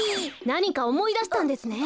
なにかおもいだしたんですね！？